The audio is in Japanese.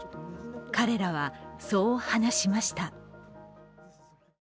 彼らは、そう話しました。